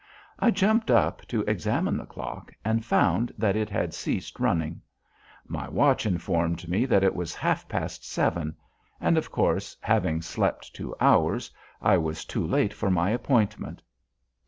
I jumped up to examine the clock, and found that it had ceased running. My watch informed me that it was half past seven; and, of course, having slept two hours, I was too late for my appointment.